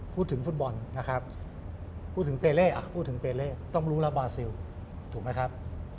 พูดถึงฟุตบอลนะครับพูดถึงเปเล่อ่ะพูดถึงเปเล่ต้องรู้แล้วบาซิลถูกไหมครับ